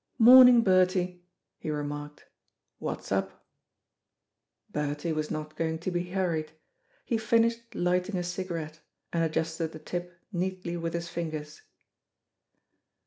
"Morning, Bertie," he remarked; "what's up?" Bertie was not going to be hurried. He finished lighting a cigarette, and adjusted the tip neatly with his fingers.